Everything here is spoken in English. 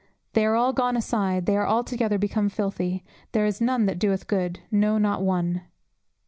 They are all gone aside; they are altogether become filthy: there is none that doeth good, no not one."